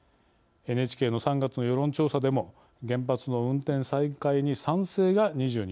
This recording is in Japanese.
ＮＨＫの３月の世論調査でも原発の運転再開に賛成が２２％。